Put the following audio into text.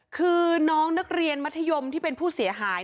คือน้องนักเรียนมัธยมที่เป็นผู้เสียหาย